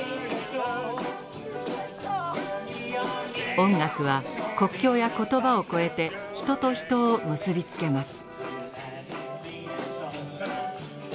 音楽は国境や言葉をこえて人と人を結び付けます。